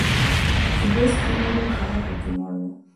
چې بېسټ نومېده هغه پکې مړ و.